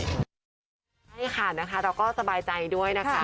ใช่ค่ะนะคะเราก็สบายใจด้วยนะคะ